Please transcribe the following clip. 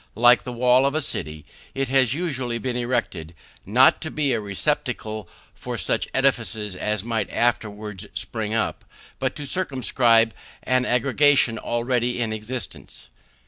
Like the wall of a city, it has usually been erected, not to be a receptacle for such edifices as might afterwards spring up, but to circumscribe an aggregation already in existence.